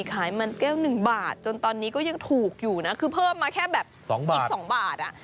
ขายมันแก้ว๑บาทจนตอนนี้ก็ยังถูกอยู่นะคือเพิ่มมาแค่แบบ๒บาทอีก๒บาท